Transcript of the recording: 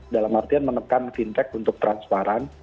dalam artian menekan fintech untuk transparan